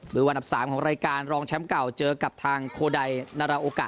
วันอันดับ๓ของรายการรองแชมป์เก่าเจอกับทางโคไดนาราโอกะ